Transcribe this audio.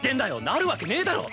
なるわけねえだろ！